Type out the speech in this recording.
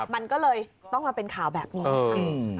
มันก็เลยต้องมาเป็นข่าวแบบนี้ค่ะ